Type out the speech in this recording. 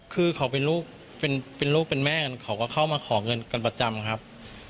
คือเขาเป็นลูกเป็นแม่เขาก็เข้ามาขอเงินกันประจำนะครับ